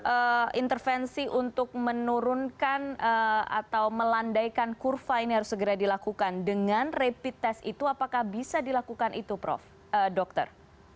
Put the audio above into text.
apakah intervensi untuk menurunkan atau melandaikan kurva ini harus segera dilakukan dengan rapid test itu apakah bisa dilakukan itu prof dokter